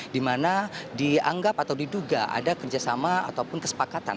di mana dianggap atau diduga ada kerjasama ataupun kesepakatan